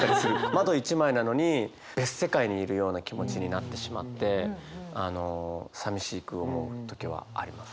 窓一枚なのに別世界にいるような気持ちになってしまってあのさみしく思う時はあります。